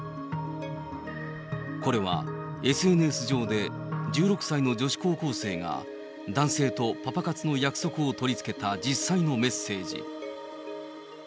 これは、ＳＮＳ上で、１６歳の女子高校生が男性とパパ活の約束を取り付けた実際のメッセージ。